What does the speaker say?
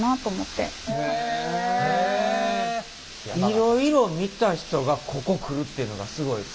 いろいろ見た人がここ来るっていうのがすごいですね。